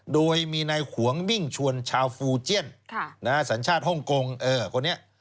โดยมีนายขวงวิ่งชวนชาวฟูเจียนสัญชาติฮ่องกงคนนี้